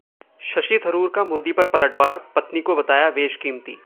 शशि थरूर का मोदी पर पलटवार, पत्नी को बताया बेशकीमती